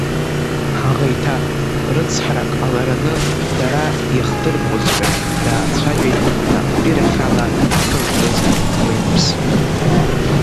Ҳаӷеиҭа, рыцҳарак ҟалараны дара иахдырԥозшәа даацәажәеит наҟтәирахь ала ахы зкыз Кәмеиԥс.